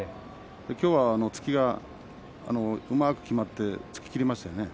きょうは突きがうまく決まって突ききりましたね。